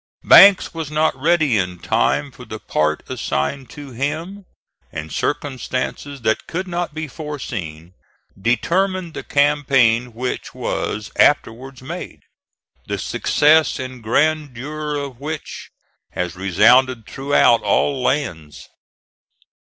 Banks was not ready in time for the part assigned to him, and circumstances that could not be foreseen determined the campaign which was afterwards made, the success and grandeur of which has resounded throughout all lands.